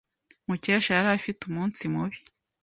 Mukesha yari afite umunsi mubi.